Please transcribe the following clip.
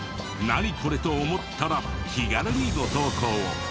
「ナニコレ？」と思ったら気軽にご投稿を。